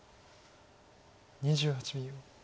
２８秒。